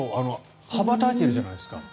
羽ばたいてるじゃないですか。